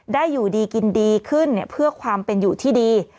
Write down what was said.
ได้อยู่ดีกินดีขึ้นเพื่อความเป็นอยู่ที่ดี